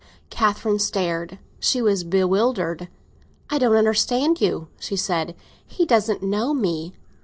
Catherine stared—she was bewildered. "I don't understand you," she said; "he doesn't know me."